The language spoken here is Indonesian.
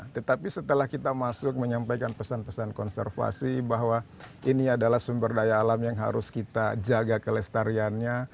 tetapi setelah kita masuk menyampaikan pesan pesan konservasi bahwa ini adalah sumber daya alam yang harus kita jaga kelestariannya